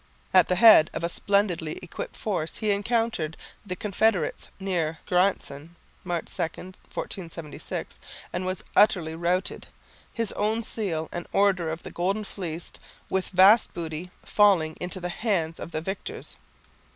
At the head of a splendidly equipped force he encountered the Confederates near Granson (March 2, 1476) and was utterly routed, his own seal and order of the Golden Fleece, with vast booty, falling into the hands of the victors.